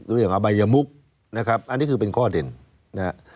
อบัยมุกนะครับอันนี้คือเป็นข้อเด่นนะครับ